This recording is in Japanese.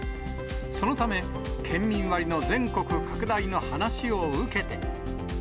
そのため、県民割の全国拡大の話を受けて。